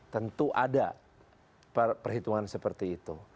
tentu ada perhitungan seperti itu